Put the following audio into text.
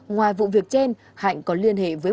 ngoài vụ việc trên hạnh có liên hệ với